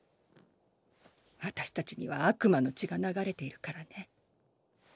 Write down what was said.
私たちには悪魔の血が流れているからね。